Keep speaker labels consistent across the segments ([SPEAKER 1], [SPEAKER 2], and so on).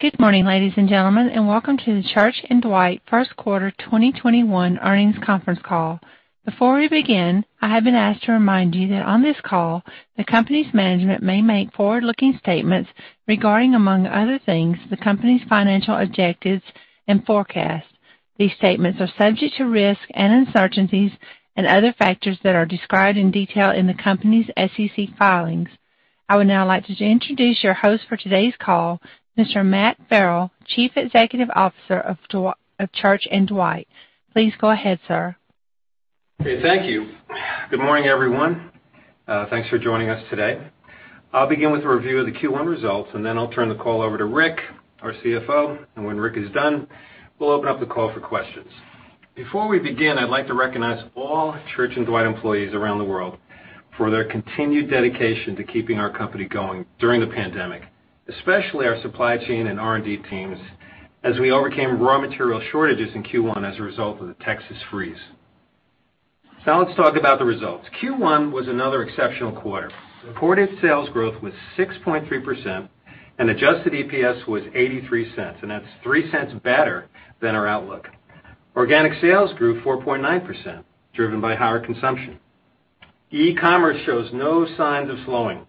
[SPEAKER 1] Good morning, ladies and gentlemen, and welcome to the Church & Dwight First Quarter 2021 Earnings Conference Call. Before we begin, I have been asked to remind you that on this call, the company's management may make forward-looking statements regarding, among other things, the company's financial objectives and forecasts. These statements are subject to risks and uncertainties and other factors that are described in detail in the company's SEC filings. I would now like to introduce your host for today's call, Mr. Matt Farrell, Chief Executive Officer of Church & Dwight. Please go ahead, sir.
[SPEAKER 2] Okay. Thank you. Good morning, everyone. Thanks for joining us today. I'll begin with a review of the Q1 results. Then I'll turn the call over to Rick, our CFO. When Rick is done, we'll open up the call for questions. Before we begin, I'd like to recognize all Church & Dwight employees around the world for their continued dedication to keeping our company going during the pandemic, especially our supply chain and R&D teams, as we overcame raw material shortages in Q1 as a result of the Texas freeze. Let's talk about the results. Q1 was another exceptional quarter. Reported sales growth was 6.3%. Adjusted EPS was $0.83. That's $0.03 better than our outlook. Organic sales grew 4.9%, driven by higher consumption. E-commerce shows no signs of slowing.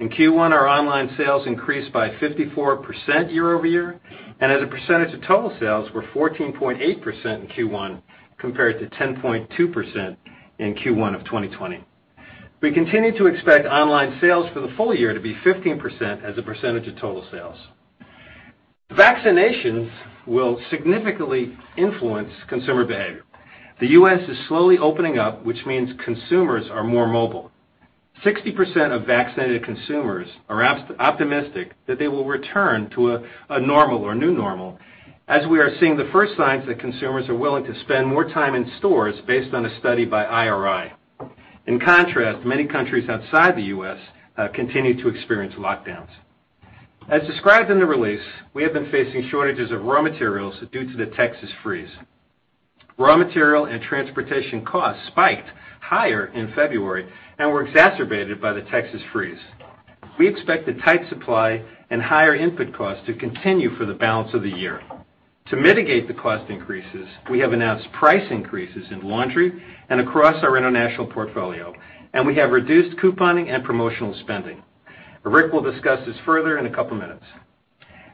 [SPEAKER 2] In Q1, our online sales increased by 54% year-over-year, and as a percentage of total sales were 14.8% in Q1, compared to 10.2% in Q1 of 2020. We continue to expect online sales for the full year to be 15% as a percentage of total sales. Vaccinations will significantly influence consumer behavior. The U.S. is slowly opening up, which means consumers are more mobile. 60% of vaccinated consumers are optimistic that they will return to a normal or new normal, as we are seeing the first signs that consumers are willing to spend more time in stores based on a study by IRI. In contrast, many countries outside the U.S. continue to experience lockdowns. As described in the release, we have been facing shortages of raw materials due to the Texas freeze. Raw material and transportation costs spiked higher in February and were exacerbated by the Texas freeze. We expect the tight supply and higher input costs to continue for the balance of the year. To mitigate the cost increases, we have announced price increases in laundry and across our international portfolio, and we have reduced couponing and promotional spending. Rick will discuss this further in a couple of minutes.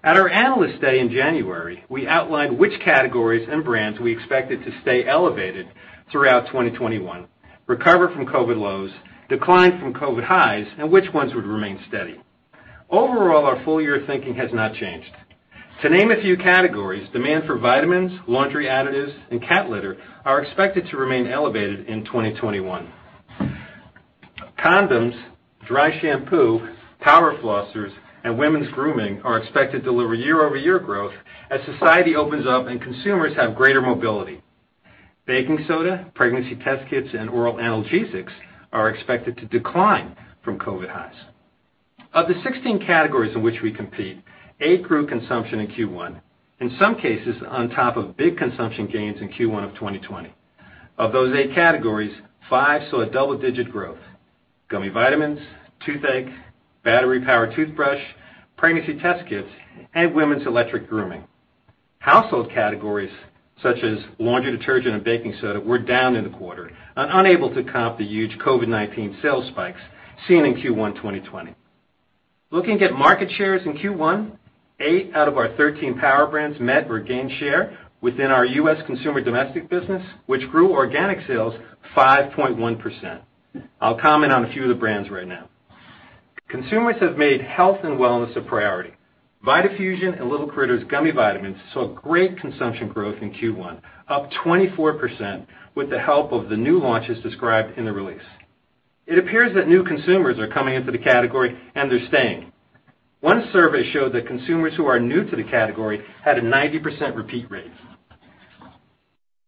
[SPEAKER 2] At our Analyst Day in January, we outlined which categories and brands we expected to stay elevated throughout 2021, recover from COVID-19 lows, decline from COVID-19 highs, and which ones would remain steady. Overall, our full-year thinking has not changed. To name a few categories, demand for vitamins, laundry additives, and cat litter are expected to remain elevated in 2021. Condoms, dry shampoo, power flossers, and women's grooming are expected to deliver year-over-year growth as society opens up and consumers have greater mobility. Baking soda, pregnancy test kits, and oral analgesics are expected to decline from COVID-19 highs. Of the 16 categories in which we compete, eight grew consumption in Q1, in some cases on top of big consumption gains in Q1 of 2020. Of those eight categories, five saw a double-digit growth. Gummy vitamins, toothache, battery-powered toothbrush, pregnancy test kits, and women's electric grooming. Household categories such as laundry detergent and baking soda were down in the quarter and unable to comp the huge COVID-19 sales spikes seen in Q1 2020. Looking at market shares in Q1, eight out of our 13 power brands met or gained share within our U.S. consumer domestic business, which grew organic sales 5.1%. I'll comment on a few of the brands right now. Consumers have made health and wellness a priority. Vitafusion and L'il Critters gummy vitamins saw great consumption growth in Q1, up 24% with the help of the new launches described in the release. It appears that new consumers are coming into the category and they're staying. One survey showed that consumers who are new to the category had a 90% repeat rate.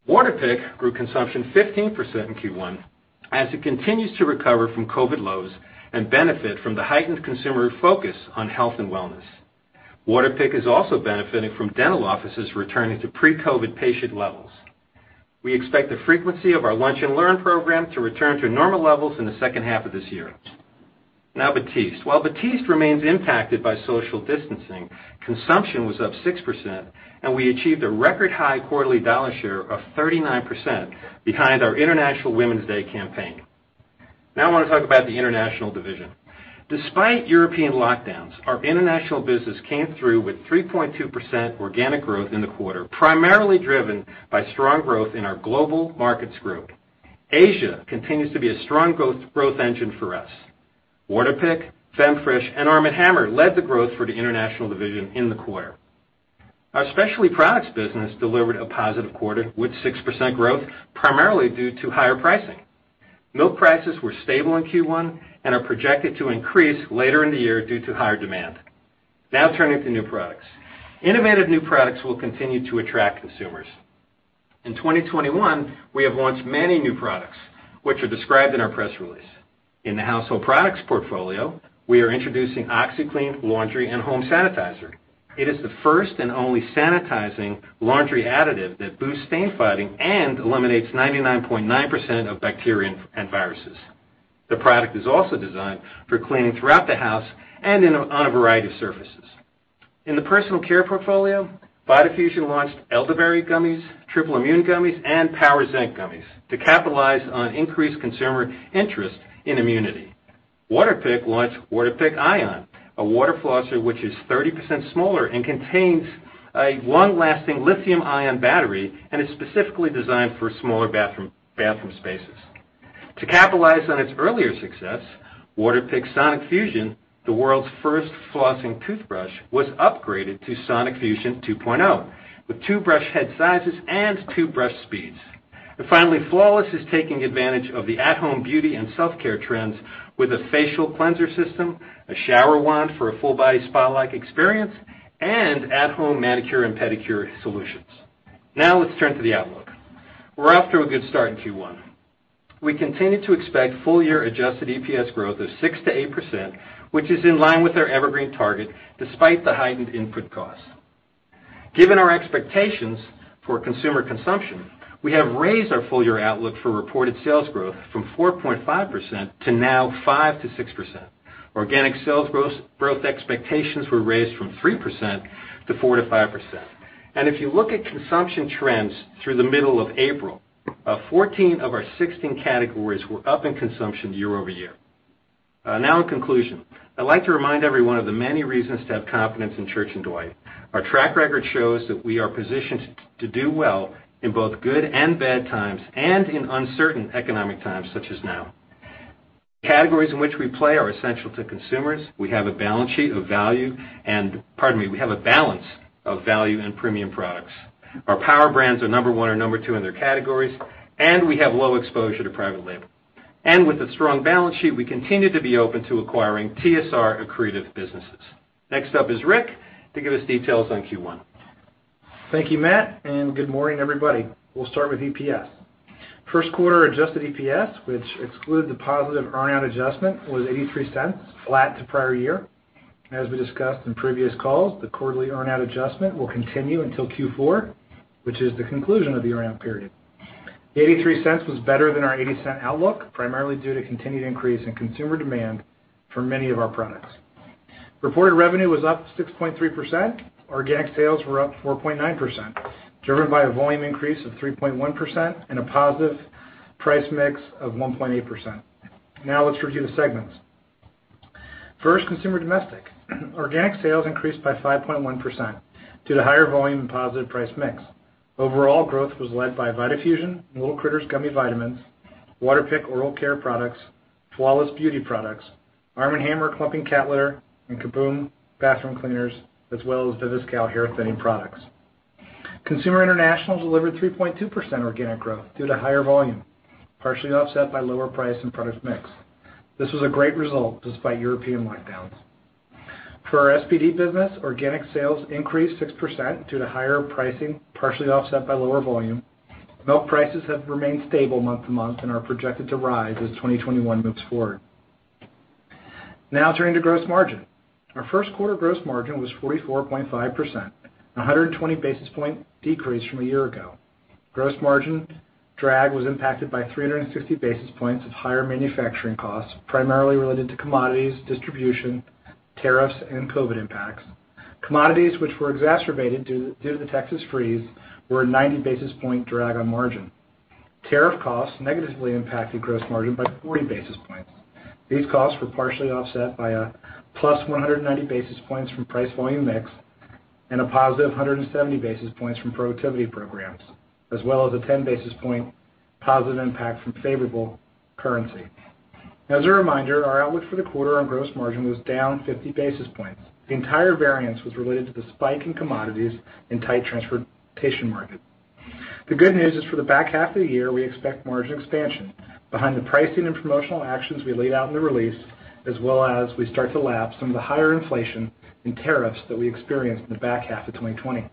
[SPEAKER 2] Waterpik grew consumption 15% in Q1 as it continues to recover from COVID lows and benefit from the heightened consumer focus on health and wellness. Waterpik is also benefiting from dental offices returning to pre-COVID patient levels. We expect the frequency of our Lunch and Learn program to return to normal levels in the second half of this year. Now Batiste. While Batiste remains impacted by social distancing, consumption was up 6%, and we achieved a record high quarterly dollar share of 39% behind our International Women's Day campaign. Now I want to talk about the international division. Despite European lockdowns, our international business came through with 3.2% organic growth in the quarter, primarily driven by strong growth in our Global Markets Group. Asia continues to be a strong growth engine for us. Waterpik, Femfresh, and ARM & HAMMER led the growth for the international division in the quarter. Our specialty products business delivered a positive quarter with 6% growth, primarily due to higher pricing. Milk prices were stable in Q1 and are projected to increase later in the year due to higher demand. Turning to new products. Innovative new products will continue to attract consumers. In 2021, we have launched many new products, which are described in our press release. In the household products portfolio, we are introducing OxiClean Laundry & Home Sanitizer. It is the first and only sanitizing laundry additive that boosts stain fighting and eliminates 99.9% of bacteria and viruses. The product is also designed for cleaning throughout the house and on a variety of surfaces. In the personal care portfolio, Vitafusion launched Elderberry Gummies, Triple Immune Gummies, and Power Zinc Gummies to capitalize on increased consumer interest in immunity. Waterpik launched Waterpik ION, a water flosser which is 30% smaller, and contains a long-lasting lithium-ion battery and is specifically designed for smaller bathroom spaces. To capitalize on its earlier success, Waterpik Sonic-Fusion, the world's first flossing toothbrush, was upgraded to Sonic-Fusion 2.0, with two brush head sizes and two brush speeds. Finally, Flawless is taking advantage of the at-home beauty and self-care trends with a facial cleanser system, a shower wand for a full-body spa-like experience, and at-home manicure and pedicure solutions. Let's turn to the outlook. We're off to a good start in Q1. We continue to expect full-year adjusted EPS growth of 6%-8%, which is in line with our evergreen target despite the heightened input costs. Given our expectations for consumer consumption, we have raised our full-year outlook for reported sales growth from 4.5% to now 5%-6%. Organic sales growth expectations were raised from 3%-4% to 5%. If you look at consumption trends through the middle of April, 14 of our 16 categories were up in consumption year-over-year. Now in conclusion, I'd like to remind everyone of the many reasons to have confidence in Church & Dwight. Our track record shows that we are positioned to do well in both good and bad times and in uncertain economic times, such as now. Categories in which we play are essential to consumers. We have a balance sheet of value, pardon me. We have a balance of value and premium products. Our power brands are number one or number two in their categories, and we have low exposure to private label. With a strong balance sheet, we continue to be open to acquiring TSR accretive businesses. Next up is Rick to give us details on Q1.
[SPEAKER 3] Thank you, Matt. Good morning, everybody. We'll start with EPS. First quarter adjusted EPS, which excludes the positive earn-out adjustment, was $0.83, flat to prior year. As we discussed in previous calls, the quarterly earn-out adjustment will continue until Q4, which is the conclusion of the earn-out period. The $0.83 was better than our $0.80 outlook, primarily due to continued increase in consumer demand for many of our products. Reported revenue was up 6.3%. Organic sales were up 4.9%, driven by a volume increase of 3.1% and a positive price mix of 1.8%. Let's review the segments. First, Consumer Domestic. Organic sales increased by 5.1% due to higher volume and positive price mix. Overall growth was led by Vitafusion, L'il Critters gummy vitamins, Waterpik oral care products, Flawless beauty products, ARM & HAMMER clumping cat litter, and Kaboom bathroom cleaners, as well as Viviscal hair thinning products. Consumer International delivered 3.2% organic growth due to higher volume, partially offset by lower price and product mix. This was a great result despite European lockdowns. For our SPD business, organic sales increased 6% due to higher pricing, partially offset by lower volume. Milk prices have remained stable month-to-month and are projected to rise as 2021 moves forward. Turning to gross margin. Our first quarter gross margin was 44.5%, a 120 basis points decrease from a year ago. Gross margin drag was impacted by 360 basis points of higher manufacturing costs, primarily related to commodities, distribution, tariffs, and COVID-19 impacts. Commodities which were exacerbated due to the Texas freeze were a 90 basis point drag on margin. Tariff costs negatively impacted gross margin by 40 basis points. These costs were partially offset by a +190 basis points from price volume mix and a +170 basis points from productivity programs, as well as a 10 basis point positive impact from favorable currency. As a reminder, our outlook for the quarter on gross margin was -50 basis points. The entire variance was related to the spike in commodities and tight transportation market. The good news is for the back half of the year, we expect margin expansion behind the pricing and promotional actions we laid out in the release, as well as we start to lap some of the higher inflation and tariffs that we experienced in the back half of 2020.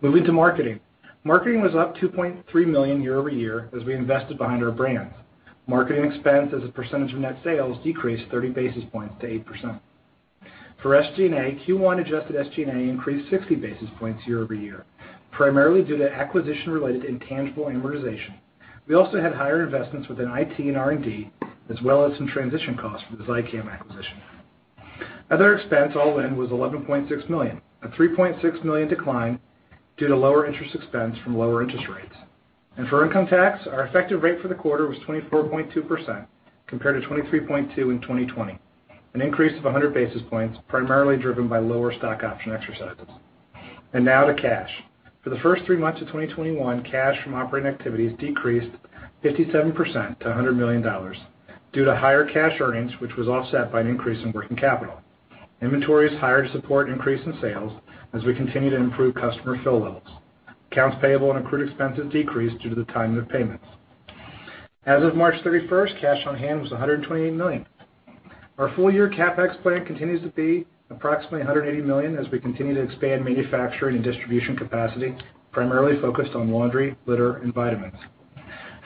[SPEAKER 3] Moving to marketing. Marketing was up $2.3 million year-over-year as we invested behind our brands. Marketing expense as a percentage of net sales decreased 30 basis points to 8%. For SG&A, Q1 adjusted SG&A increased 60 basis points year-over-year, primarily due to acquisition-related intangible amortization. We also had higher investments within IT and R&D, as well as some transition costs from the ZICAM acquisition. Other expense all-in was $11.6 million, a $3.6 million decline due to lower interest expense from lower interest rates. For income tax, our effective rate for the quarter was 24.2% compared to 23.2% in 2020, an increase of 100 basis points, primarily driven by lower stock option exercises. Now to cash. For the first three months of 2021, cash from operating activities decreased 57% to $100 million due to higher cash earnings, which was offset by an increase in working capital. Inventories higher to support increase in sales as we continue to improve customer fill levels. Accounts payable and accrued expenses decreased due to the timing of payments. As of March 31st, cash on hand was $128 million. Our full-year CapEx plan continues to be approximately $180 million as we continue to expand manufacturing and distribution capacity, primarily focused on laundry, litter, and vitamins.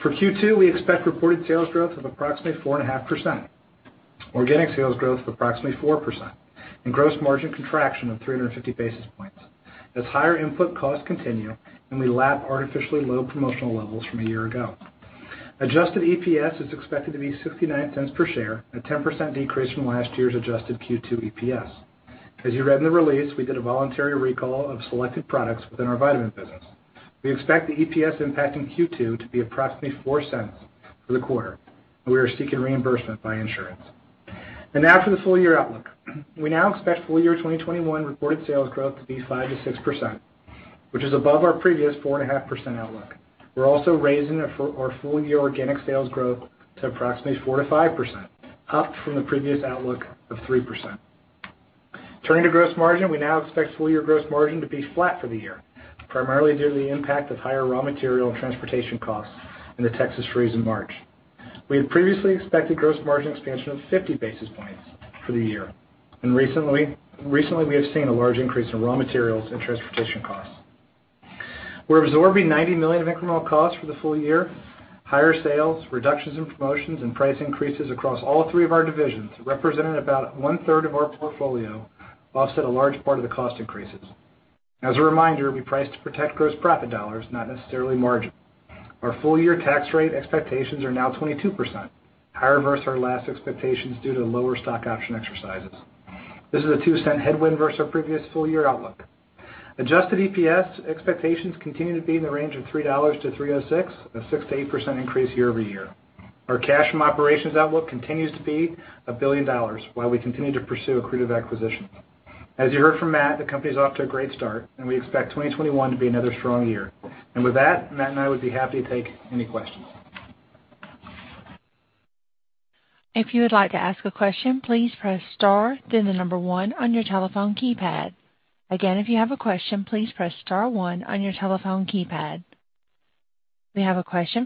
[SPEAKER 3] For Q2, we expect reported sales growth of approximately 4.5% organic sales growth of approximately 4%, and gross margin contraction of 350 basis points, as higher input costs continue, and we lap artificially low promotional levels from a year ago. Adjusted EPS is expected to be $0.69 per share, a 10% decrease from last year's adjusted Q2 EPS. As you read in the release, we did a voluntary recall of selected products within our vitamin business. We expect the EPS impact in Q2 to be approximately $0.04 for the quarter. We are seeking reimbursement by insurance. Now for the full-year outlook. We now expect full-year 2021 reported sales growth to be 5%-6%, which is above our previous 4.5% outlook. We are also raising our full-year organic sales growth to approximately 4%-5%, up from the previous outlook of 3%. Turning to gross margin, we now expect full-year gross margin to be flat for the year, primarily due to the impact of higher raw material and transportation costs and the Texas freeze in March. We had previously expected gross margin expansion of 50 basis points for the year. Recently, we have seen a large increase in raw materials and transportation costs. We are absorbing $90 million of incremental costs for the full year. Higher sales, reductions in promotions, and price increases across all three of our divisions, representing about 1/3 of our portfolio, offset a large part of the cost increases. As a reminder, we price to protect gross profit dollars, not necessarily margin. Our full-year tax rate expectations are now 22%, higher versus our last expectations due to lower stock option exercises. This is a $0.02 headwind versus our previous full-year outlook. Adjusted EPS expectations continue to be in the range of $3-$3.06, a 6%-8% increase year-over-year. Our cash from operations outlook continues to be $1 billion while we continue to pursue accretive acquisitions. As you heard from Matt, the company's off to a great start, we expect 2021 to be another strong year. With that, Matt and I would be happy to take any questions.
[SPEAKER 1] We have a question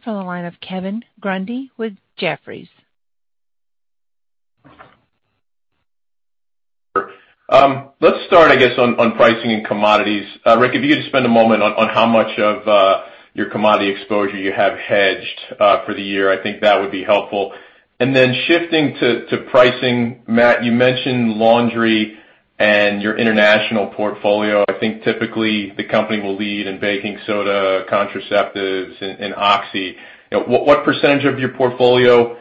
[SPEAKER 1] from the line of Kevin Grundy with Jefferies.
[SPEAKER 4] Sure. Let's start on pricing and commodities. Rick, if you could spend a moment on how much of your commodity exposure you have hedged for the year, I think that would be helpful. Shifting to pricing. Matt, you mentioned laundry and your international portfolio. I think typically the company will lead in baking soda, contraceptives, and Oxi. What percentage of your portfolio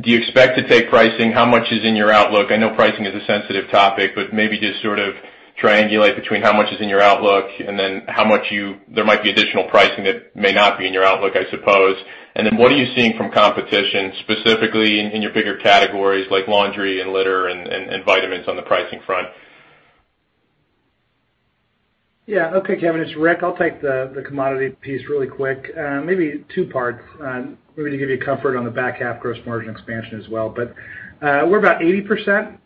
[SPEAKER 4] do you expect to take pricing? How much is in your outlook? I know pricing is a sensitive topic, but maybe just sort of triangulate between how much is in your outlook and then how much there might be additional pricing that may not be in your outlook, I suppose. What are you seeing from competition, specifically in your bigger categories like laundry and litter and vitamins on the pricing front?
[SPEAKER 3] Kevin, it's Rick. I'll take the commodity piece really quick. Maybe two parts. Maybe to give you comfort on the back half gross margin expansion as well. We're about 80%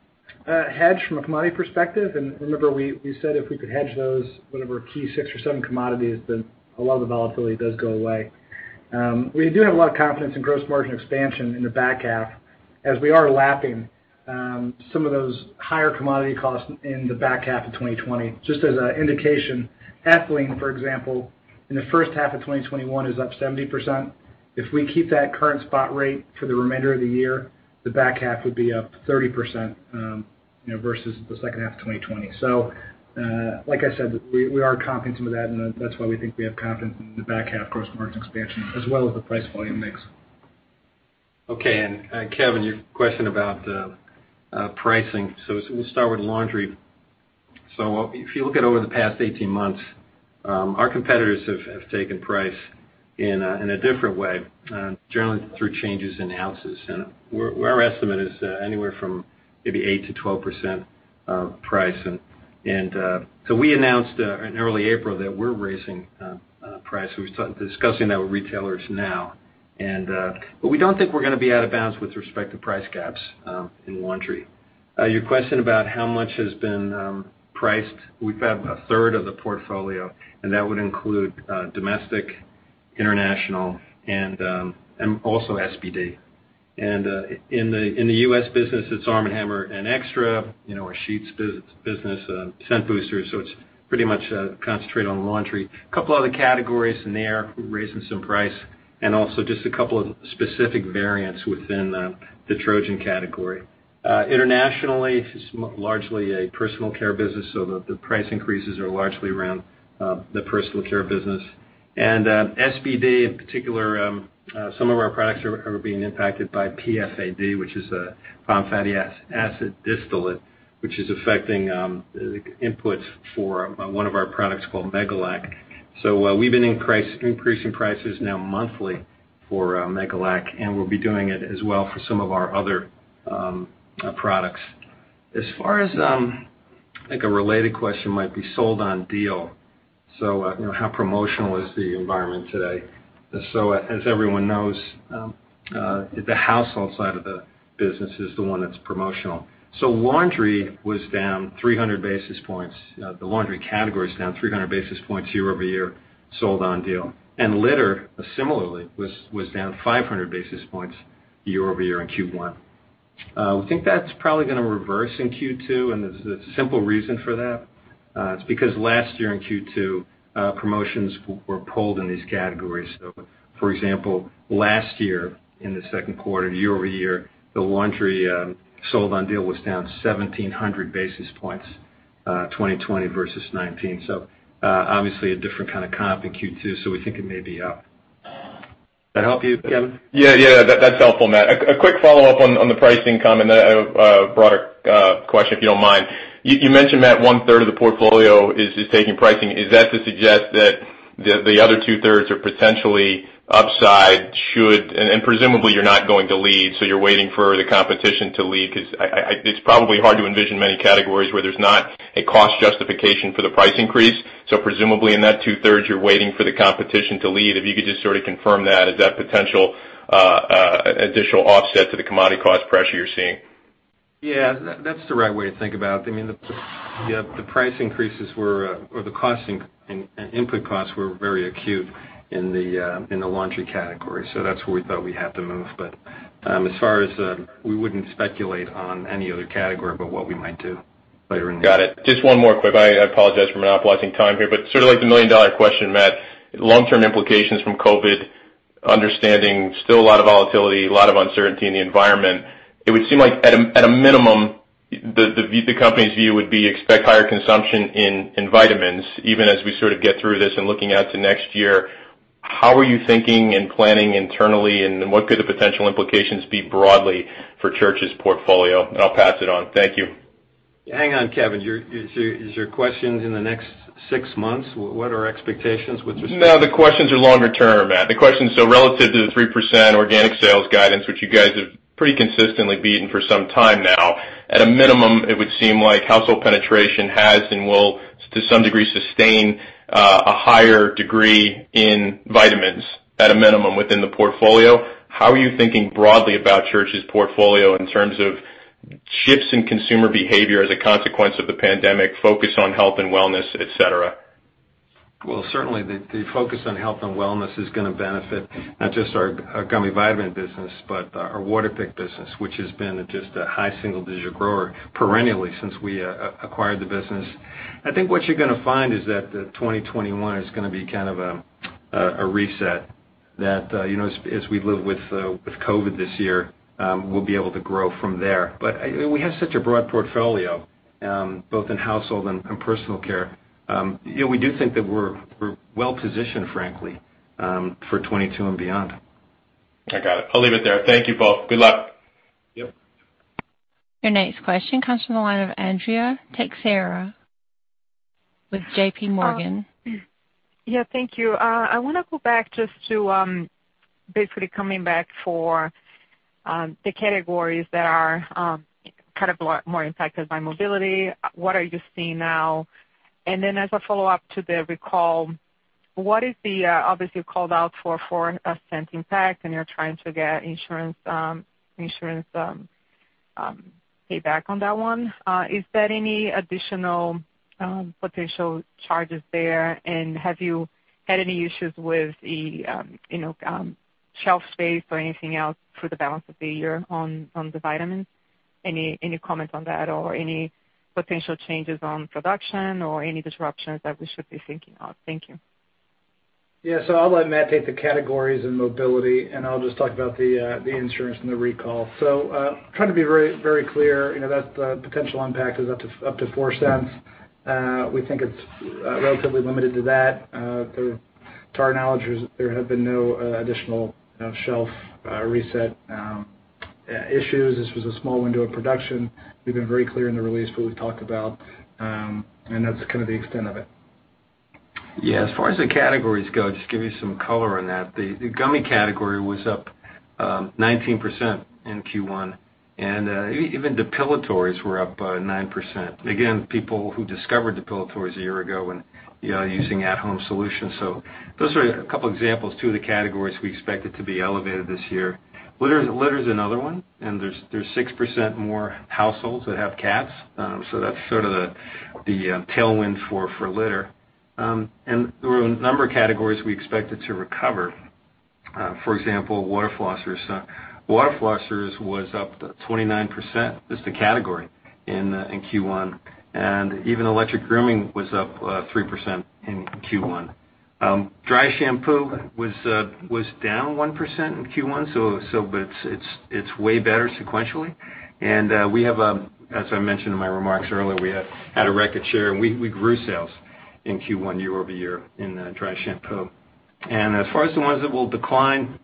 [SPEAKER 3] hedged from a commodity perspective. Remember, we said if we could hedge those, whatever, key six or seven commodities, then a lot of the volatility does go away. We do have a lot of confidence in gross margin expansion in the back half as we are lapping some of those higher commodity costs in the back half of 2020. Just as an indication, ethylene, for example, in the first half of 2021 is up 70%. If we keep that current spot rate for the remainder of the year, the back half would be up 30% versus the second half of 2020. Like I said, we are confident in that, and that's why we think we have confidence in the back half gross margin expansion as well as the price volume mix.
[SPEAKER 2] Okay. Kevin, your question about pricing. Let's start with laundry. If you look at over the past 18 months, our competitors have taken price in a different way, generally through changes in ounces. Our estimate is anywhere from maybe 8%-12% price. We announced in early April that we're raising price. We're discussing that with retailers now. We don't think we're going to be out of bounds with respect to price gaps in laundry. Your question about how much has been priced. We've got 1/3 Of the portfolio, and that would include domestic, international, and also SPD. In the U.S. business, it's ARM & HAMMER and XTRA, our sheets business, scent boosters. A couple other categories in there, we're raising some price, and also just a couple of specific variants within the Trojan category. Internationally, it's largely a personal care business, the price increases are largely around the personal care business. SPD in particular, some of our products are being impacted by PFAD, which is a palm fatty acid distillate, which is affecting inputs for one of our products called MEGALAC. We've been increasing prices now monthly for MEGALAC, and we'll be doing it as well for some of our other products. As far as, I think, a related question might be sold on deal. How promotional is the environment today? As everyone knows, the household side of the business is the one that's promotional. Laundry was down 300 basis points. The laundry category is down 300 basis points year-over-year sold on deal. Litter, similarly, was down 500 basis points year-over-year in Q1. We think that's probably going to reverse in Q2. There's a simple reason for that. It's because last year in Q2, promotions were pulled in these categories. For example, last year in the second quarter, year-over-year, the laundry sold on deal was down 1,700 basis points, 2020 versus 2019. Obviously a different kind of comp in Q2. We think it may be up. That help you, Kevin?
[SPEAKER 4] That's helpful, Matt. A quick follow-up on the pricing comment, a broader question, if you don't mind. You mentioned, Matt, 1/3 of the portfolio is taking pricing. Is that to suggest that the other 2/3 are potentially upside should, and presumably you're not going to lead, you're waiting for the competition to lead, because it's probably hard to envision many categories where there's not a cost justification for the price increase. Presumably in that 2/3, you're waiting for the competition to lead. If you could just sort of confirm that, is that potential additional offset to the commodity cost pressure you're seeing?
[SPEAKER 2] That's the right way to think about it. I mean, the price increases were, or the input costs were very acute in the laundry category. That's where we thought we had to move. We wouldn't speculate on any other category about what we might do later in the year.
[SPEAKER 4] Got it. Just one more quick. I apologize for monopolizing time here, sort of like the million-dollar question, Matt. Long-term implications from COVID, understanding still a lot of volatility, a lot of uncertainty in the environment. It would seem like at a minimum, the company's view would be expect higher consumption in vitamins, even as we sort of get through this and looking out to next year. How are you thinking and planning internally, and what could the potential implications be broadly for Church's portfolio? I'll pass it on. Thank you.
[SPEAKER 2] Hang on, Kevin. Is your question in the next six months? What are expectations with respect to-
[SPEAKER 4] The questions are longer-term, Matt. Relative to the 3% organic sales guidance, which you guys have pretty consistently beaten for some time now. At a minimum, it would seem like household penetration has and will, to some degree, sustain a higher degree in vitamins, at a minimum, within the portfolio. How are you thinking broadly about Church's portfolio in terms of shifts in consumer behavior as a consequence of the pandemic, focus on health and wellness, et cetera?
[SPEAKER 2] Certainly the focus on health and wellness is going to benefit not just our gummy vitamin business, but our Waterpik business, which has been just a high single-digit grower perennially since we acquired the business. I think what you're going to find is that the 2021 is going to be kind of a reset that, as we live with COVID this year, we'll be able to grow from there. We have such a broad portfolio, both in household and personal care. We do think that we're well-positioned, frankly, for 2022 and beyond.
[SPEAKER 4] I got it. I'll leave it there. Thank you both. Good luck.
[SPEAKER 1] Your next question comes from the line of Andrea Teixeira with JPMorgan.
[SPEAKER 5] Thank you. I want to go back just to, basically coming back for the categories that are kind of a lot more impacted by mobility. What are you seeing now? Then as a follow-up to the recall, obviously you called out for a $0.01 impact, and you're trying to get insurance payback on that one. Is there any additional potential charges there, and have you had any issues with the shelf space or anything else for the balance of the year on the vitamins? Any comments on that or any potential changes on production or any disruptions that we should be thinking of? Thank you.
[SPEAKER 3] Yeah. I'll let Matt take the categories and mobility, and I'll just talk about the insurance and the recall. Trying to be very clear, that the potential impact is up to $0.04. We think it's relatively limited to that. To our knowledge, there have been no additional shelf reset issues. This was a small window of production. We've been very clear in the release what we've talked about, and that's kind of the extent of it.
[SPEAKER 2] As far as the categories go, just give you some color on that. The gummy category was up 19% in Q1. Even the depilatories were up 9%. Again, people who discovered the depilatories a year ago and using at-home solutions. Those are a couple examples, two of the categories we expect it to be elevated this year. Litter's another one. There's 6% more households that have cats. That's sort of the tailwind for litter. There were a number of categories we expected to recover. For example, water flossers. Water flossers was up 29%, just the category, in Q1. Even electric grooming was up 3% in Q1. Dry shampoo was down 1% in Q1. It's way better sequentially. We have, as I mentioned in my remarks earlier, we had a record share, and we grew sales in Q1 year-over-year in dry shampoo. As far as the ones that will decline,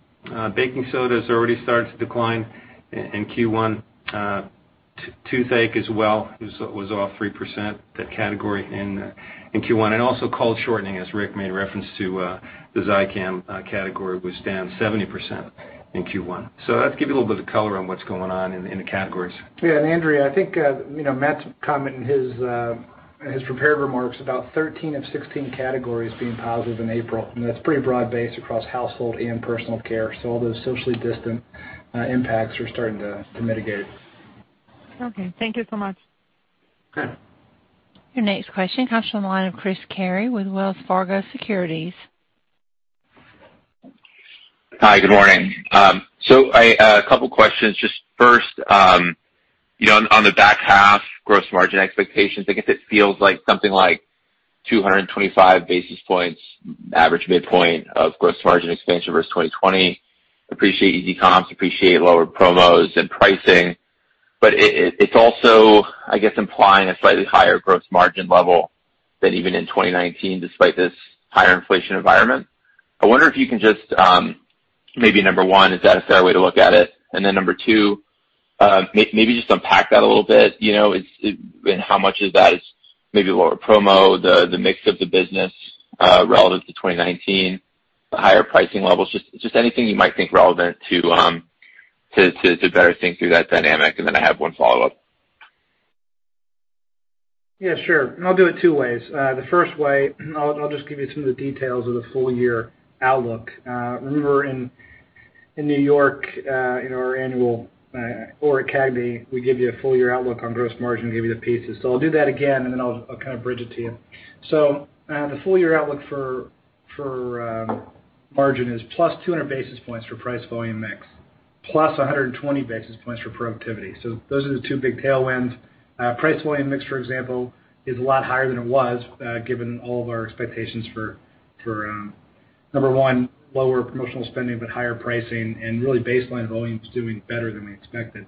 [SPEAKER 2] baking soda has already started to decline in Q1. Toothache as well, was off 3%, that category in Q1. Also cold shortening, as Rick made reference to, the ZICAM category was down 70% in Q1. That gives you a little bit of color on what's going on in the categories.
[SPEAKER 3] Andrea, I think Matt's comment in his prepared remarks about 13 of 16 categories being positive in April, and that's pretty broad-based across household and personal care. All those socially distant impacts are starting to mitigate.
[SPEAKER 5] Okay. Thank you so much.
[SPEAKER 1] Your next question comes from the line of Chris Carey with Wells Fargo Securities.
[SPEAKER 6] Hi, good morning. A couple of questions. Just first, on the back half gross margin expectations, I guess it feels like something like 225 basis points average midpoint of gross margin expansion versus 2020. Appreciate easy comps, appreciate lower promos and pricing. It's also, I guess, implying a slightly higher gross margin level than even in 2019, despite this higher inflation environment. I wonder if you can just, maybe number one, is that a fair way to look at it? Number two, maybe just unpack that a little bit, and how much of that is maybe lower promo, the mix of the business, relative to 2019, the higher pricing levels. Just anything you might think relevant to better think through that dynamic. I have one follow-up.
[SPEAKER 3] Yeah, sure. I'll do it two ways. The first way, I'll just give you some of the details of the full-year outlook. Remember in New York, in our annual Analyst Day, we give you a full year outlook on gross margin, we give you the pieces. I'll do that again, then I'll kind of bridge it to you. The full-year outlook for margin is +200 basis points for the price-volume mix. +120 basis points for productivity. Those are the two big tailwinds. Price volume mix, for example, is a lot higher than it was, given all of our expectations for, number one, lower promotional spending, but higher pricing, and really baseline volumes doing better than we expected.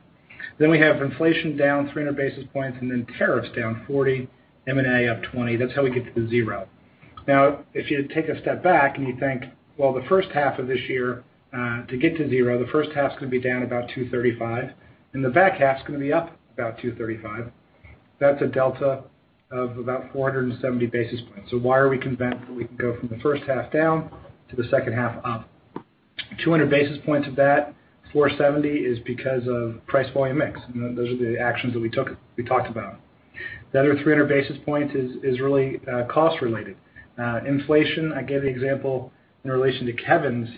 [SPEAKER 3] We have inflation down 300 basis points, then tariffs down 40%, M&A up 20%. That's how we get to the zero. If you take a step back and you think, well, the first half of this year, to get to zero, the first half's going to be down about 235, and the back half's going to be up about 235. That's a delta of about 470 basis points. Why are we confident that we can go from the first half down to the second half up? 200 basis points of that, 470, is because of price volume mix. Those are the actions that we talked about. The other 300 basis points is really cost related. Inflation, I gave the example in relation to Kevin's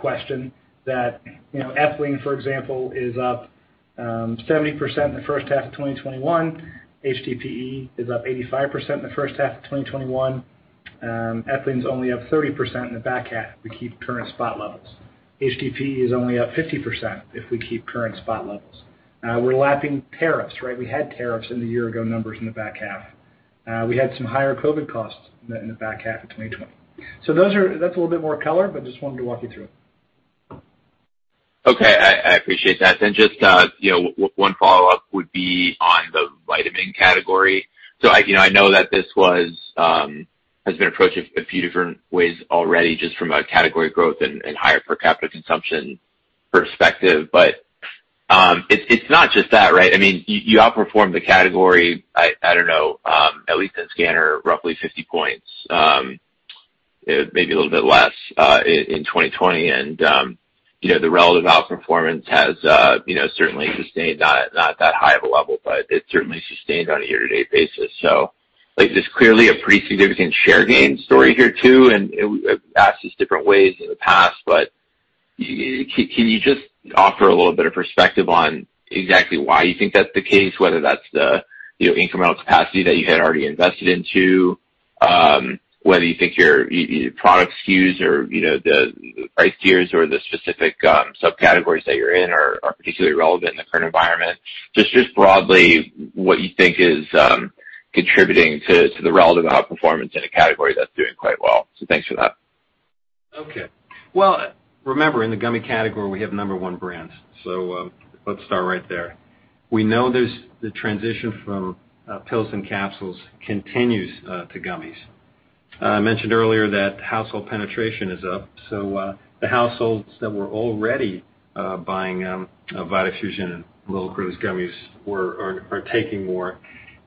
[SPEAKER 3] question that ethylene, for example, is up 70% in the first half of 2021. HDPE is up 85% in the first half of 2021. Ethylene's only up 30% in the back half if we keep current spot levels. HDPE is only up 50% if we keep current spot levels. We're lapping tariffs, right? We had tariffs in the year ago numbers in the back half. We had some higher COVID costs in the back half of 2020. That's a little bit more color, but just wanted to walk you through it.
[SPEAKER 6] Okay. I appreciate that. Just one follow-up would be on the vitamin category. I know that this has been approached a few different ways already, just from a category growth and higher per capita consumption perspective. It's not just that, right? You outperformed the category, I don't know, at least in scanner, roughly 50 points. Maybe a little bit less, in 2020. The relative outperformance has certainly sustained, not at that high of a level, but it certainly sustained on a year-to-date basis. There's clearly a pretty significant share gain story here, too, and I've asked this different ways in the past, but can you just offer a little bit of perspective on exactly why you think that's the case, whether that's the incremental capacity that you had already invested into, whether you think your product SKUs or the price tiers or the specific subcategories that you're in are particularly relevant in the current environment? Just broadly what you think is contributing to the relative outperformance in a category that's doing quite well. Thanks for that.
[SPEAKER 2] Okay. Well, remember, in the gummy category, we have number 1 brands. Let's start right there. We know the transition from pills and capsules continues to gummies. I mentioned earlier that household penetration is up. The households that were already buying Vitafusion and L'il Critters gummies are taking more.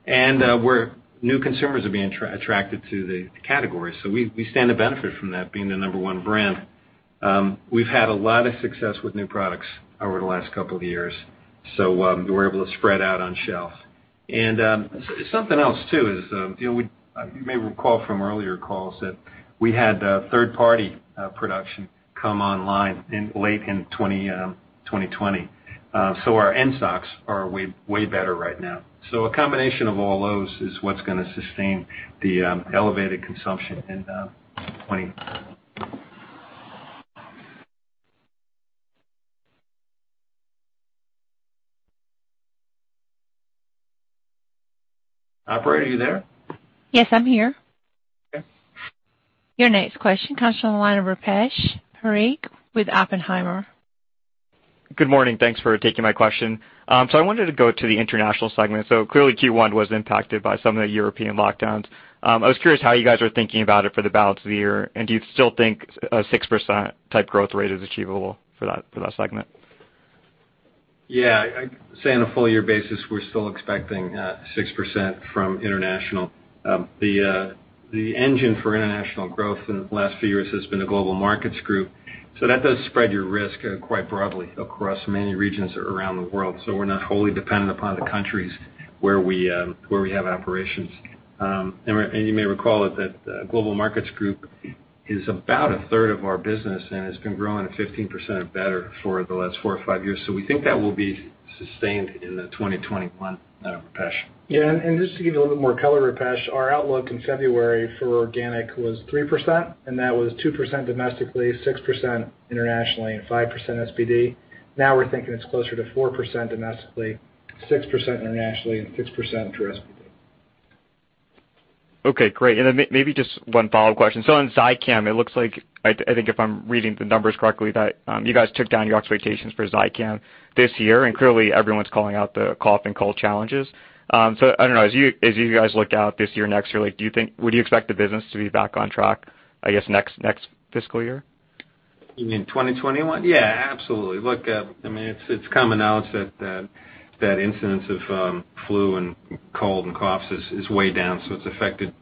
[SPEAKER 2] Where new consumers are being attracted to the category. We stand to benefit from that, being the number 1 brand. We've had a lot of success with new products over the last couple of years. We're able to spread out on shelf. Something else, too, is you may recall from earlier calls that we had third-party production come online late in 2020. Our end stocks are way better right now. A combination of all those is what's gonna sustain the elevated consumption. Operator, are you there?
[SPEAKER 1] Yes, I'm here. Your next question comes from the line of Rupesh Parikh with Oppenheimer.
[SPEAKER 7] Good morning. Thanks for taking my question. I wanted to go to the international segment. Clearly Q1 was impacted by some of the European lockdowns. I was curious how you guys are thinking about it for the balance of the year, and do you still think a 6% type growth rate is achievable for that segment?
[SPEAKER 2] Yeah. I'd say on a full-year basis, we're still expecting 6% from international. The engine for international growth in the last few years has been the Global Markets Group. That does spread your risk quite broadly across many regions around the world. We're not wholly dependent upon the countries where we have operations. You may recall that Global Markets Group is about 1/3 of our business and has been growing at 15% or better for the last four or five years. We think that will be sustained in 2021, Rupesh.
[SPEAKER 3] Yeah, just to give a little bit more color, Rupesh, our outlook in February for organic was 3%, and that was 2% domestically, 6% internationally, and 5% SPD. Now we're thinking it's closer to 4% domestically, 6% internationally and 6% in SPD.
[SPEAKER 7] Okay, great. Maybe just one follow-up question. On ZICAM, it looks like, I think if I'm reading the numbers correctly, that you guys took down your expectations for ZICAM this year, and clearly everyone's calling out the cough and cold challenges. I don't know. As you guys look out this year, next year, would you expect the business to be back on track, I guess, next fiscal year?
[SPEAKER 2] You mean 2021? Yeah, absolutely. Look, it's common knowledge that incidence of flu and cold and cough is way down, so it's affected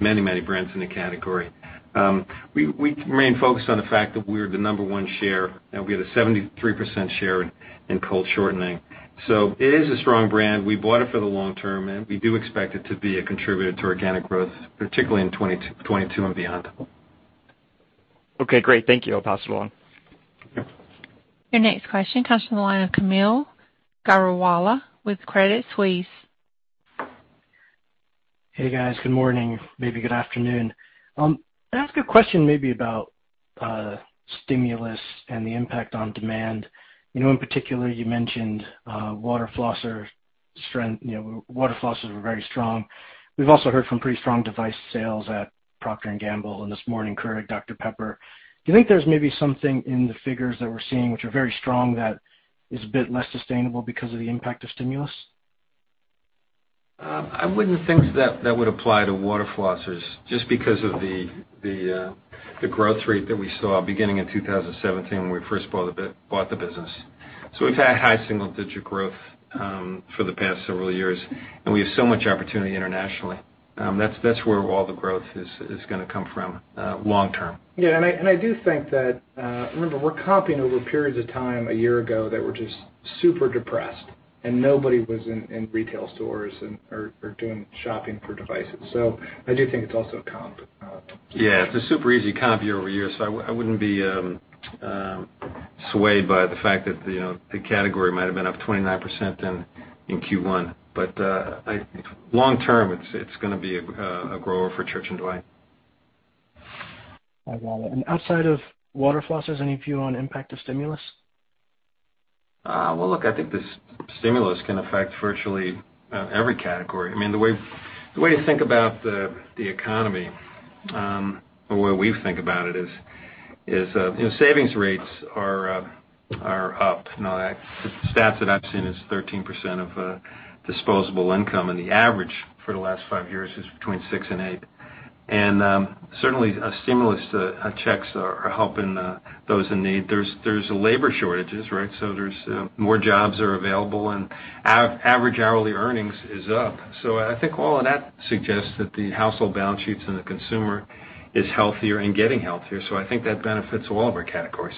[SPEAKER 2] many brands in the category. We remain focused on the fact that we're the number one share, and we have a 73% share in cold shortening. It is a strong brand. We bought it for the long term, and we do expect it to be a contributor to organic growth, particularly in 2022 and beyond.
[SPEAKER 7] Okay, great. Thank you. I'll pass it along.
[SPEAKER 1] Your next question comes from the line of Kaumil Gajrawala with Credit Suisse.
[SPEAKER 8] Hey, guys. Good morning. Maybe good afternoon. Can I ask a question maybe about stimulus and the impact on demand? In particular, you mentioned water flossers were very strong. We've also heard from pretty strong device sales at Procter & Gamble, and this morning, Keurig Dr Pepper. Do you think there's maybe something in the figures that we're seeing, which are very strong, that is a bit less sustainable because of the impact of stimulus?
[SPEAKER 2] I wouldn't think that that would apply to water flossers, just because of the growth rate that we saw beginning in 2017, when we first bought the business. We've had high single-digit growth for the past several years, and we have so much opportunity internationally. That's where all the growth is gonna come from long term.
[SPEAKER 3] Remember, we're comping over periods of time a year ago that were just super depressed, and nobody was in retail stores or doing shopping for devices. I do think it's also comp.
[SPEAKER 2] Yeah, it's a super easy comp year-over-year. I wouldn't be swayed by the fact that the category might've been up 29% in Q1. Long term, it's gonna be a grower for Church & Dwight.
[SPEAKER 8] I got it. Outside of water flossers, any view on impact of stimulus?
[SPEAKER 2] Well, look, I think the stimulus can affect virtually every category. The way to think about the economy, or the way we think about it is, savings rates are up. Now, the stats that I've seen is 13% of disposable income, and the average for the last five years is between six and eight. Certainly, stimulus checks are helping those in need. There's labor shortages, right? More jobs are available, and average hourly earnings is up. I think all of that suggests that the household balance sheets and the consumer is healthier and getting healthier. I think that benefits all of our categories.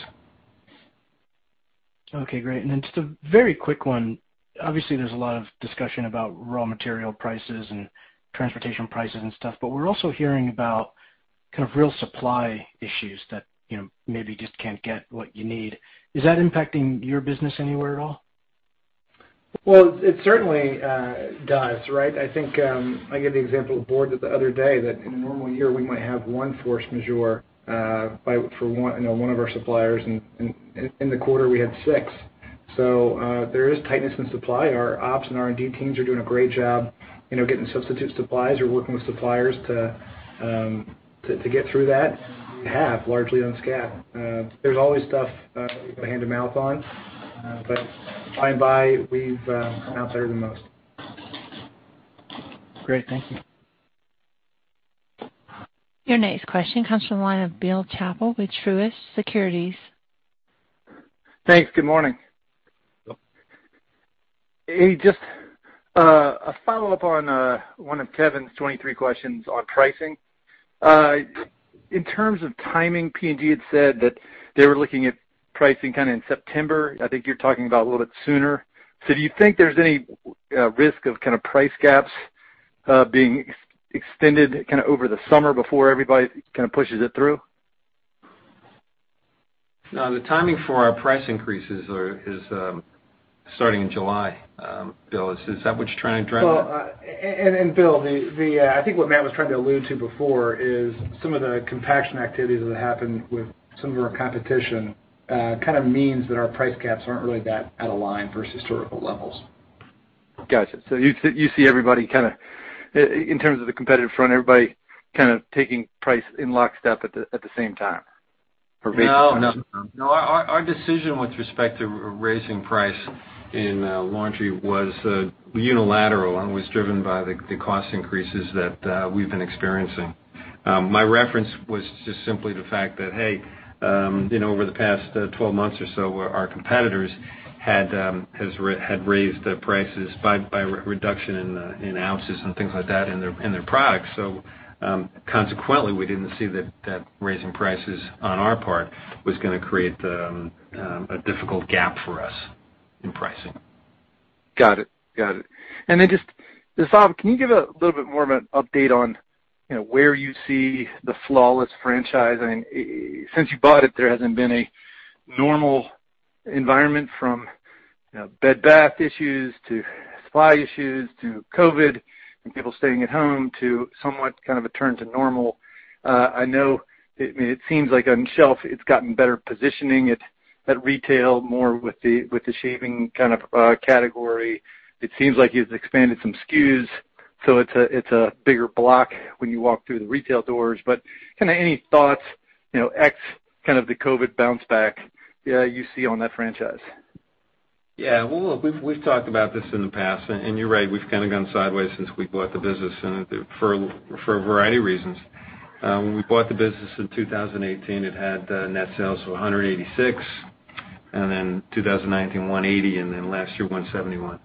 [SPEAKER 8] Okay, great. Just a very quick one. Obviously, there's a lot of discussion about raw material prices and transportation prices and stuff, but we're also hearing about kind of real supply issues that maybe just can't get what you need. Is that impacting your business anywhere at all?
[SPEAKER 3] It certainly does, right? I gave the example to the board the other day that in a normal year, we might have one force majeure for one of our suppliers, and in the quarter we had six. There is tightness in supply. Our ops and R&D teams are doing a great job getting substitute supplies or working with suppliers to get through that. We have, largely on SKUs. There's always stuff that we go hand to mouth on. By and by, we've come out better than most.
[SPEAKER 8] Great. Thank you.
[SPEAKER 1] Your next question comes from the line of Bill Chappell with Truist Securities.
[SPEAKER 9] Thanks. Good morning.
[SPEAKER 2] Hello.
[SPEAKER 9] Hey, just a follow-up on one of Kevin's 23 questions on pricing. In terms of timing, P&G had said that they were looking at pricing kind of in September. I think you're talking about a little bit sooner. Do you think there's any risk of price gaps being extended over the summer before everybody pushes it through?
[SPEAKER 2] No. The timing for our price increases is starting in July, Bill. Is that what you're trying to address?
[SPEAKER 3] Well, Bill, I think what Matt was trying to allude to before is some of the compaction activities that happened with some of our competition kind of means that our price gaps aren't really that out of line versus historical levels.
[SPEAKER 9] Gotcha. You see everybody kind of, in terms of the competitive front, everybody taking price in lockstep at the same time customers?
[SPEAKER 2] No, our decision with respect to raising price in laundry was unilateral and was driven by the cost increases that we've been experiencing. My reference was just simply the fact that, hey, over the past 12 months or so, our competitors had raised their prices by reduction in ounces and things like that in their products. Consequently, we didn't see that raising prices on our part was gonna create a difficult gap for us in pricing.
[SPEAKER 9] Got it. Just, Matt, can you give a little bit more of an update on where you see the Flawless franchise? Since you bought it, there hasn't been a normal environment from Bed Bath issues to supply issues to COVID and people staying at home, to somewhat kind of a return to normal. I know it seems like on shelf it's gotten better positioning at retail, more with the shaving kind of category. It seems like you've expanded some SKUs, so it's a bigger block when you walk through the retail doors. Any thoughts, ex the COVID bounce-back, you see on that franchise?
[SPEAKER 2] Yeah. Well, look, we've talked about this in the past, and you're right, we've kind of gone sideways since we bought the business, and for a variety of reasons. When we bought the business in 2018, it had net sales of $186, and then 2019, $180, and then last year, $171.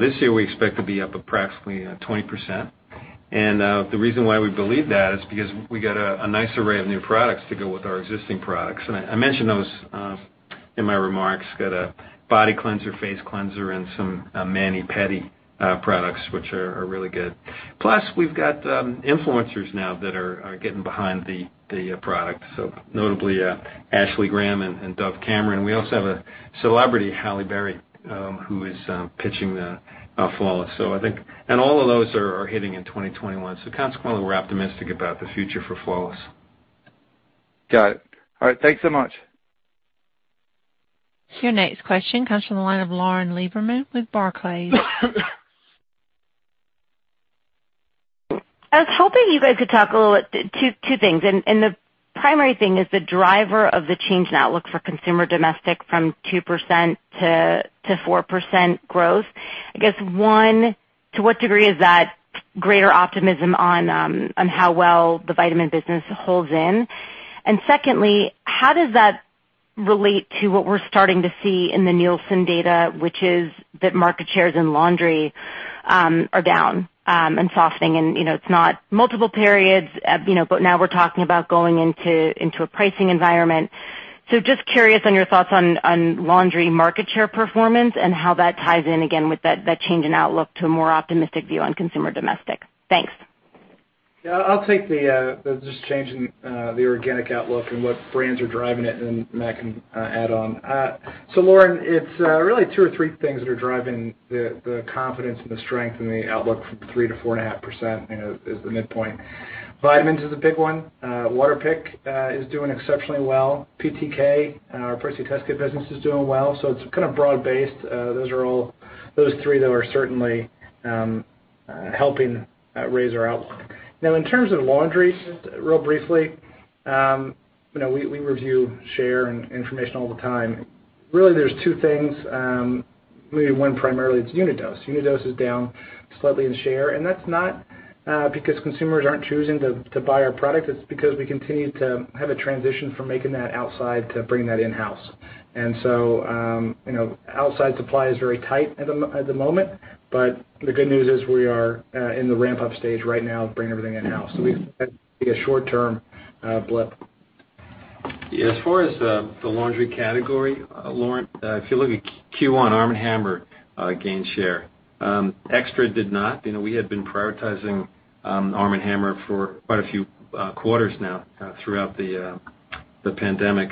[SPEAKER 2] This year, we expect to be up approximately 20%. The reason why we believe that is because we got a nice array of new products to go with our existing products. I mentioned those in my remarks. We got a body cleanser, face cleanser, and some mani-pedi products, which are really good. Plus, we've got influencers now that are getting behind the product, notably, Ashley Graham and Dove Cameron. We also have a celebrity, Halle Berry, who is pitching the Flawless. All of those are hitting in 2021. Consequently, we're optimistic about the future for Flawless.
[SPEAKER 9] Got it. All right, thanks so much.
[SPEAKER 1] Your next question comes from the line of Lauren Lieberman with Barclays.
[SPEAKER 10] I was hoping you guys could talk a little bit, two things, and the primary thing is the driver of the change in outlook for consumer domestic from 2%-4% growth. One, to what degree is that greater optimism on how well the vitamin business holds in? Secondly, how does that relate to what we're starting to see in the Nielsen data, which is that market shares in laundry are down and softening, and it's not multiple periods, but now we're talking about going into a pricing environment. Just curious on your thoughts on laundry market share performance and how that ties in again with that change in outlook to a more optimistic view on consumer domestic. Thanks.
[SPEAKER 3] I'll take the just change in the organic outlook and what brands are driving it, and then Matt can add on. Lauren, it's really two or three things that are driving the confidence and the strength in the outlook from 3%-4.5% is the midpoint. Vitamins is a big one. Waterpik is doing exceptionally well. PTK, our pregnancy test kit business, is doing well. It's kind of broad-based. Those are all those three that are certainly helping raise our outlook. In terms of laundry, just real briefly, we review share and information all the time. Really, there's two things. Maybe one primarily is Unit Dose. Unit Dose is down slightly in share, and that's not because consumers aren't choosing to buy our product. It's because we continue to have a transition from making that outside to bringing that in-house. Outside supply is very tight at the moment, but the good news is we are in the ramp-up stage right now of bringing everything in-house. We expect it to be a short-term blip.
[SPEAKER 2] As far as the laundry category, Lauren, if you look at Q1, ARM & HAMMER gained share. XTRA did not. We had been prioritizing ARM & HAMMER for quite a few quarters now throughout the pandemic.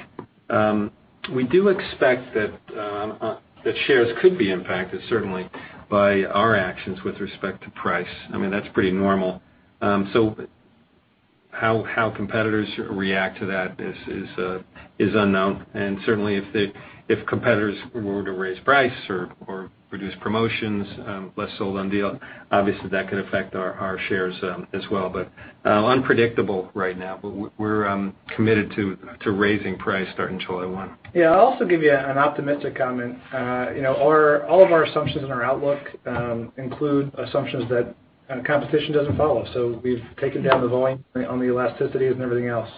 [SPEAKER 2] We do expect that shares could be impacted, certainly, by our actions with respect to price. That's pretty normal. How competitors react to that is unknown, and certainly if competitors were to raise price or reduce promotions, less sold on deal, obviously that could affect our shares as well. Unpredictable right now, but we're committed to raising price starting July 1.
[SPEAKER 3] Yeah. I'll also give you an optimistic comment. All of our assumptions in our outlook include assumptions that competition doesn't follow. We've taken down the volume on the elasticities and everything else.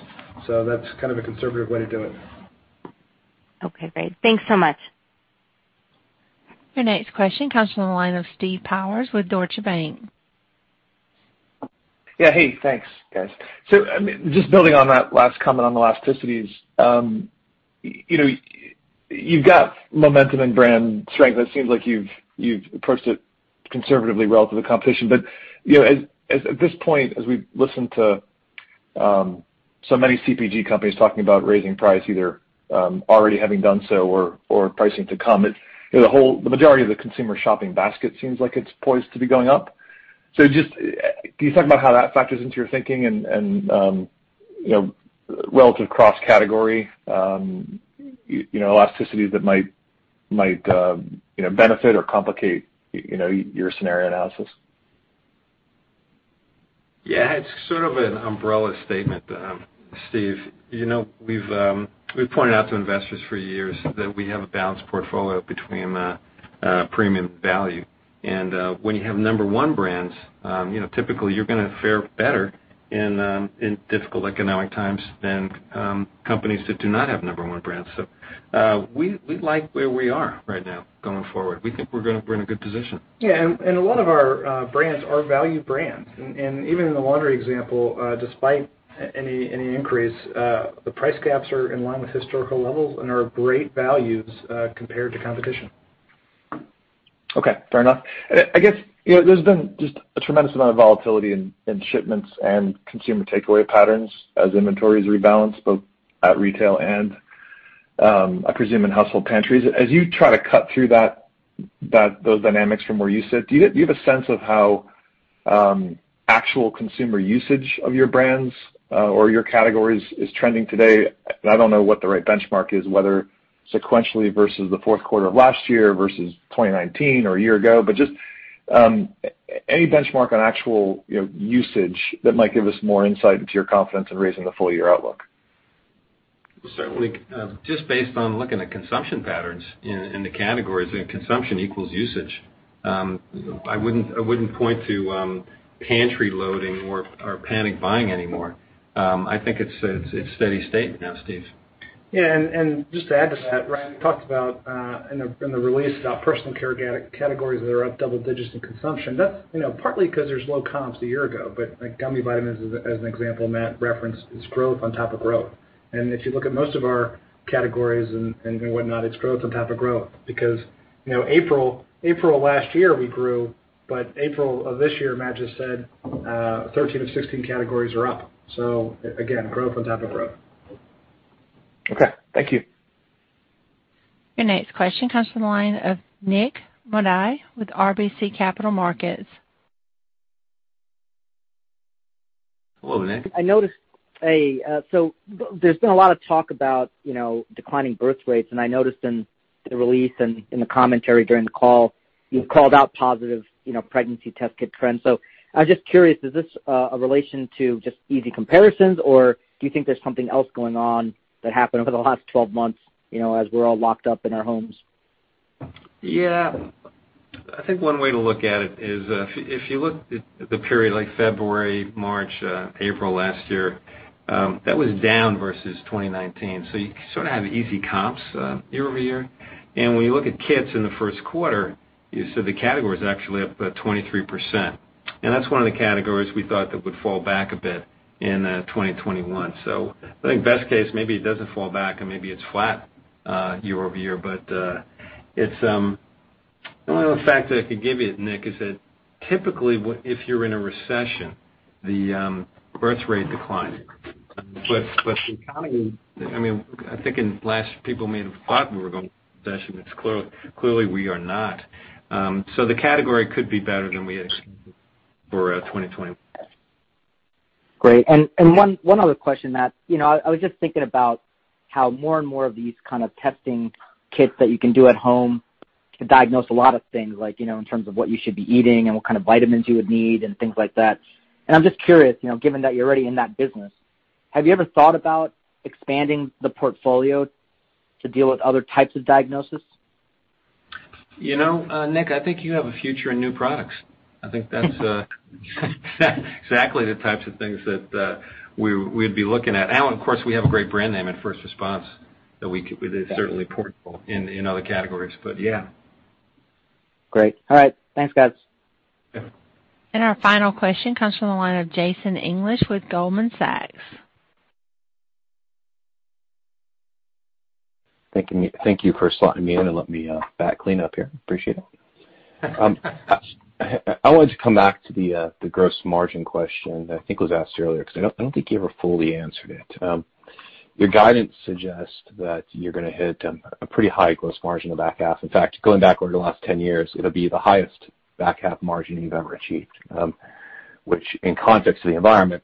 [SPEAKER 3] That's kind of a conservative way to do it.
[SPEAKER 10] Okay, great. Thanks so much.
[SPEAKER 1] Your next question comes from the line of Steve Powers with Deutsche Bank.
[SPEAKER 11] Yeah. Hey, thanks guys. Just building on that last comment on elasticities. You've got momentum and brand strength, and it seems like you've approached it conservatively relative to competition. At this point, as we've listened to so many CPG companies talking about raising price, either already having done so or pricing to come, the majority of the consumer shopping basket seems like it's poised to be going up. Just, can you talk about how that factors into your thinking and relative cross-category elasticities that might benefit or complicate your scenario analysis?
[SPEAKER 2] Yeah. It's sort of an umbrella statement, Steve. We've pointed out to investors for years that we have a balanced portfolio between premium and value. When you have number one brands, typically you're gonna fare better in difficult economic times than companies that do not have number one brands. We like where we are right now going forward. We think we're in a good position.
[SPEAKER 3] Yeah, a lot of our brands are value brands. Even in the laundry example, despite any increase, the price gaps are in line with historical levels and are great values compared to competition.
[SPEAKER 11] Okay, fair enough. I guess, there's been just a tremendous amount of volatility in shipments and consumer takeaway patterns as inventories rebalance, both at retail and I presume in household pantries. As you try to cut through those dynamics from where you sit, do you have a sense of how actual consumer usage of your brands or your categories is trending today? I don't know what the right benchmark is, whether sequentially versus the fourth quarter of last year versus 2019 or a year ago, but just any benchmark on actual usage that might give us more insight into your confidence in raising the full year outlook.
[SPEAKER 2] Certainly. Just based on looking at consumption patterns in the categories, and consumption equals usage, I wouldn't point to pantry loading or panic buying anymore. I think it's steady state now, Steve.
[SPEAKER 3] Just to add to that we talked about, in the release, about personal care categories that are up double digits in consumption. That's partly because there's low comps to a year ago. Like gummy vitamins, as an example, Matt referenced, it's growth on top of growth. If you look at most of our categories and whatnot, it's growth on top of growth. April last year we grew, but April of this year, Matt just said 13 of 16 categories are up. Again, growth on top of growth.
[SPEAKER 11] Okay. Thank you.
[SPEAKER 1] Your next question comes from the line of Nik Modi with RBC Capital Markets.
[SPEAKER 2] Hello, Nik.
[SPEAKER 12] I noticed, so there's been a lot of talk about declining birth rates, and I noticed in the release and in the commentary during the call, you called out positive pregnancy test kit trends. I was just curious, is this a relation to just easy comparisons, or do you think there's something else going on that happened over the last 12 months, as we're all locked up in our homes?
[SPEAKER 2] One way to look at it is, if you look at the period like February, March, April last year, that was down versus 2019. You sort of have easy comps year-over-year. When you look at kits in the first quarter, you said the category's actually up about 23%. That's one of the categories we thought that would fall back a bit in 2021. I think best case, maybe it doesn't fall back and maybe it's flat year-over-year. The only other fact that I could give you, Nik, is that typically, if you're in a recession, the birth rate declines. The economy, I think people may have thought we were going into a recession. Clearly, we are not. The category could be better than we had expected for 2020.
[SPEAKER 12] Great. One other question, Matt. I was just thinking about how more and more of these kind of testing kits that you can do at home can diagnose a lot of things like, in terms of what you should be eating and what kind of vitamins you would need and things like that. I'm just curious, given that you're already in that business, have you ever thought about expanding the portfolio to deal with other types of diagnosis?
[SPEAKER 2] Nik, I think you have a future in new products. I think that's exactly the types of things that we'd be looking at. Of course, we have a great brand name in First Response that is certainly portable in other categories, but yeah.
[SPEAKER 12] Great. All right. Thanks, guys.
[SPEAKER 1] Our final question comes from the line of Jason English with Goldman Sachs.
[SPEAKER 13] Thank you for slotting me in and letting me bat clean-up here. Appreciate it. I wanted to come back to the gross margin question that I think was asked earlier, because I don't think you ever fully answered it. Your guidance suggests that you're gonna hit a pretty high gross margin in the back half. In fact, going back over the last 10 years, it'll be the highest back half margin you've ever achieved, which, in context of the environment,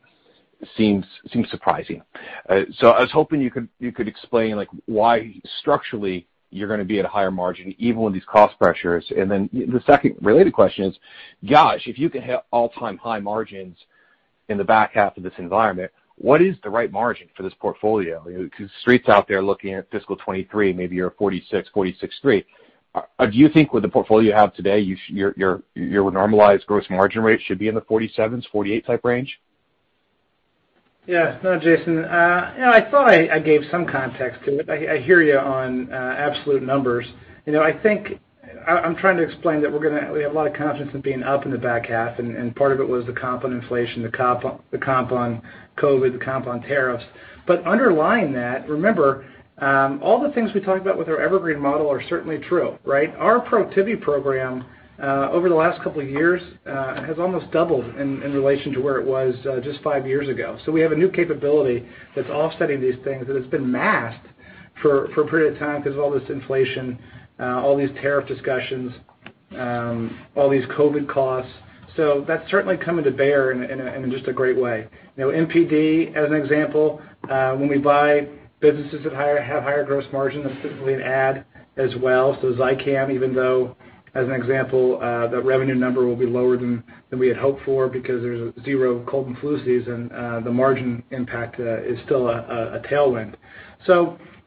[SPEAKER 13] seems surprising. I was hoping you could explain why structurally you're gonna be at a higher margin even with these cost pressures. The second related question is, gosh, if you can hit all-time high margins in the back half of this environment, what is the right margin for this portfolio? Street's out there looking at fiscal 2023, maybe you're a 46%, 46.3%. Do you think with the portfolio you have today, your normalized gross margin rate should be in the 47%, 48% type range?
[SPEAKER 3] No, Jason, I thought I gave some context to it. I hear you on absolute numbers. I'm trying to explain that we have a lot of confidence in being up in the back half, and part of it was the comp on inflation, the comp on COVID, the comp on tariffs. Underlying that, remember, all the things we talked about with our evergreen model are certainly true, right? Our productivity program, over the last couple of years, has almost doubled in relation to where it was just five years ago. We have a new capability that's offsetting these things, and it's been masked for a period of time because of all this inflation, all these tariff discussions, all these COVID costs. That's certainly coming to bear in just a great way. M&A, as an example, when we buy businesses that have higher gross margin, that's typically an add as well. ZICAM, even though, as an example, the revenue number will be lower than we had hoped for because there's zero cold and flu season, the margin impact is still a tailwind.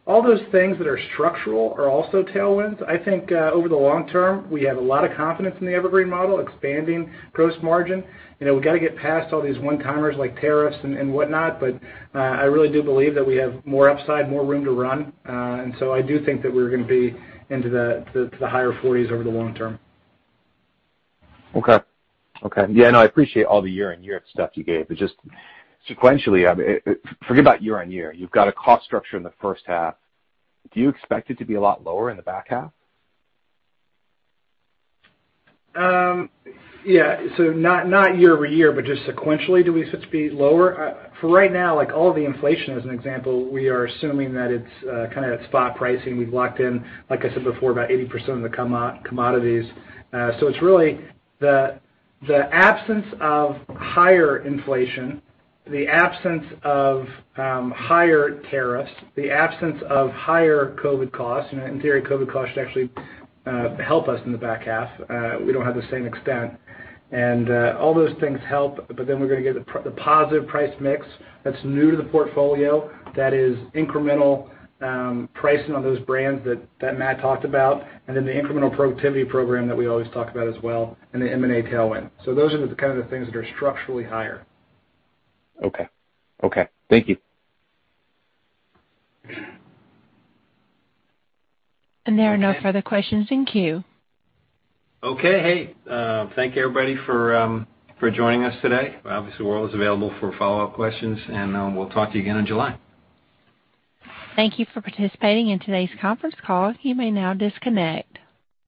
[SPEAKER 3] All those things that are structural are also tailwinds. I think over the long term, we have a lot of confidence in the evergreen model, expanding gross margin. We've got to get past all these one-timers like tariffs and whatnot, I really do believe that we have more upside, more room to run. I do think that we're gonna be into the higher 40s over the long term.
[SPEAKER 13] No, I appreciate all the year-on-year stuff you gave, just sequentially, forget about year-on-year. You've got a cost structure in the first half. Do you expect it to be a lot lower in the back half?
[SPEAKER 3] Not year-over-year, but just sequentially, do we expect to be lower? For right now, all the inflation as an example, we are assuming that it's kind of at spot pricing. We've locked in, like I said before, about 80% of the commodities. It's really the absence of higher inflation, the absence of higher tariffs, the absence of higher COVID costs. In theory, COVID costs should actually help us in the back half. We don't have the same extent. All those things help, but then we're gonna get the positive price mix that's new to the portfolio, that is incremental pricing on those brands that Matt Farrell talked about, and then the incremental productivity program that we always talk about as well, and the M&A tailwind. Those are the kind of the things that are structurally higher.
[SPEAKER 13] Okay. Thank you.
[SPEAKER 1] There are no further questions in queue.
[SPEAKER 2] Hey, thank you everybody for joining us today. Obviously, we're always available for follow-up questions. We'll talk to you again in July.
[SPEAKER 1] Thank you for participating in today's conference call. You may now disconnect.